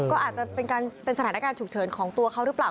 ก็อาจจะเป็นสถานการณ์ฉุกเฉินของตัวเขาหรือเปล่า